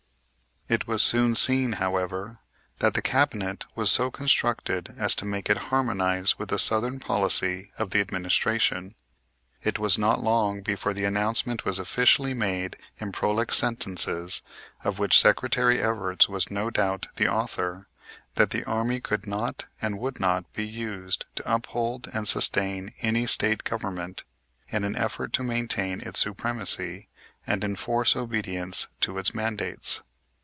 It was soon seen, however, that the Cabinet was so constructed as to make it harmonize with the southern policy of the administration. It was not long before the announcement was officially made in prolix sentences, of which Secretary Evarts was no doubt the author, that the army could not and would not be used to uphold and sustain any State Government in an effort to maintain its supremacy and enforce obedience to its mandates.